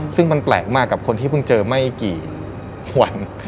ซึ่งมันแปลกมากกับคนที่เพิ่งเจอไม่กี่วัน